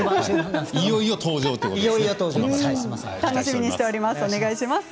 いよいよ登場ということですね。